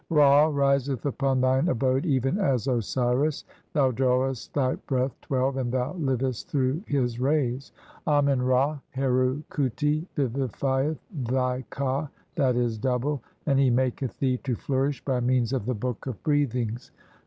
Ra riseth upon "thine abode even as Osiris ; thou drawest thy breath, "(12) and thou livest through his rays. Amen Ra "Heru khuti vivifieth thy ka {I. e., double), and he "maketh thee to flourish by means of the Book of "Breathings.